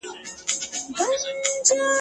چي یو یو خواږه یاران مي باندي تللي ..